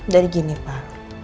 dari ini pak